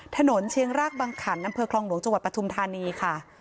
เชียงรากบังขันอำเภอคลองหลวงจังหวัดปทุมธานีค่ะ